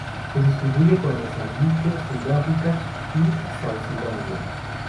Se distribuye por Mozambique, Sudáfrica y Suazilandia.